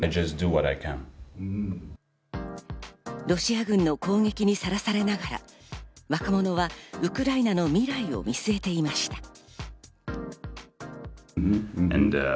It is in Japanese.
ロシア軍の攻撃にさらされながら若者はウクライナの未来を見据えていました。